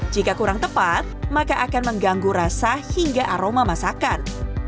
jika kurang tepat maka akan mengganggu rasa hingga aroma masakan